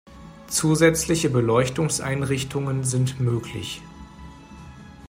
Zusätzliche Beleuchtungseinrichtungen sind möglich.